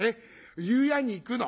湯屋に行くの」。